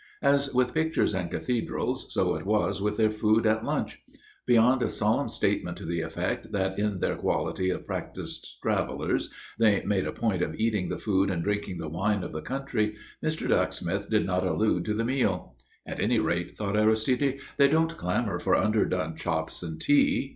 As with pictures and cathedrals, so it was with their food at lunch. Beyond a solemn statement to the effect that in their quality of practised travellers they made a point of eating the food and drinking the wine of the country, Mr. Ducksmith did not allude to the meal. At any rate, thought Aristide, they don't clamour for underdone chops and tea.